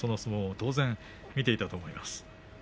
当然、見ていたと思います。